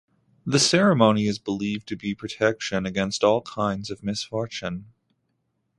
The ceremony is believed to be a protection against all kinds of misfortune.